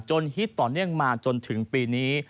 ฮิตต่อเนื่องมาจนถึงปีนี้